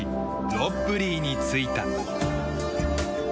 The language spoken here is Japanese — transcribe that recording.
ロッブリーに着いた。